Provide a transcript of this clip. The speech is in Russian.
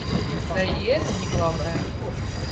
Да и это не главное.